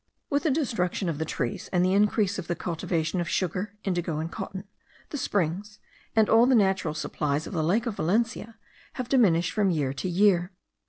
With the destruction of the trees, and the increase of the cultivation of sugar, indigo, and cotton, the springs, and all the natural supplies of the lake of Valencia, have diminished from year to year.